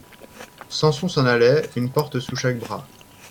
Samson s'en allait, une porte sous chaque bras.